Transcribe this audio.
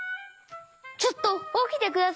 ちょっとおきてください！